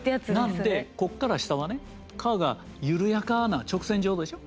なのでこっから下はね川が緩やかな直線状でしょ。